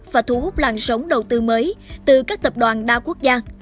và thu hút làn sóng đầu tư mới từ các tập đoàn đa quốc gia